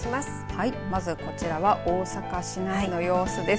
はい、まずこちらは大阪市内の様子です。